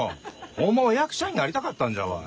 ホンマは役者になりたかったんじゃわい。